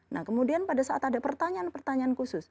nah kemudian pada saat ada pertanyaan pertanyaan khusus